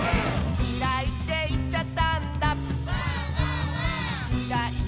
「きらいっていっちゃったんだ」